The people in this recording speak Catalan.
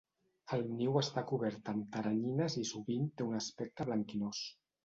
El niu està cobert amb teranyines i sovint té un aspecte blanquinós.